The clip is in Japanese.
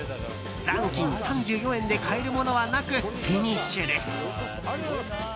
残金３４円で買えるものはなくフィニッシュです。